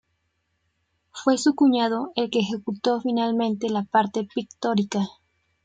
Fue su cuñado el que ejecutó finalmente la parte pictórica.